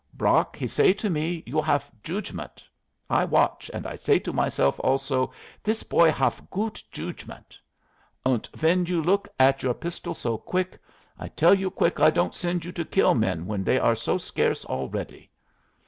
Brock he say to me you haf joodgement. I watch, and I say to myself also, this boy haf goot joodgement. And when you look at your pistol so quick, I tell you quick I don't send you to kill men when they are so scarce already!